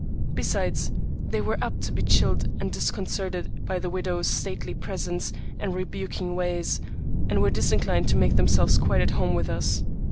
Besides, they were apt to be chilled and disconcerted by the widow's stately presence and rebuking ways, and were disinclined to make themselves quite at home with us.